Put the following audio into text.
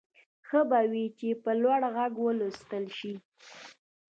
ښه به وي چې په لوړ غږ ولوستل شي.